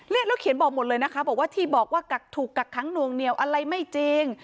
แล้วเขียนบอกหมดเลยนะคะบอกว่าที่บอกว่าถูกกักขังหน่วงเหนียวอะไรไม่จริง